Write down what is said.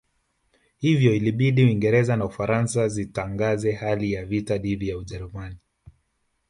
Hivyo ilibidi Uingereza na Ufaransa zitangaze hali ya vita dhidi ya Ujerumani